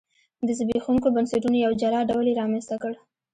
د زبېښونکو بنسټونو یو جلا ډول یې رامنځته کړ.